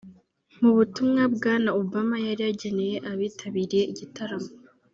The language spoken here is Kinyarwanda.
Mu butumwa Bwana Obama yari yageneye abitabiriye igitaramo